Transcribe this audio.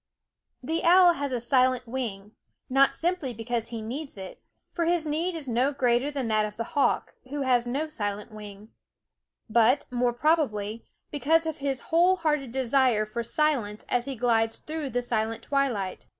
The owl has a silent wing, not simply because he needs it for his need is no greater than that of the hawk, who has no silent wing but, more prob ably, because of his whole hearted desire for silence as he glides through the silent twi light.